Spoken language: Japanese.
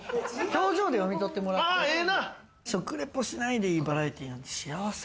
表情で読み取ってもらって、食リポしないでいいバラエティーなんて幸せ。